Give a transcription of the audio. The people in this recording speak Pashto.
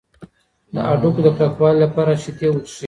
د هډوکو د کلکوالي لپاره شیدې وڅښئ.